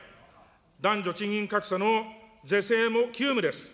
男女賃金格差の是正も急務です。